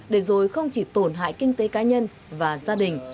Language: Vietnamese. để rồi không chỉ tổn hại kinh tế cá nhân và gia đình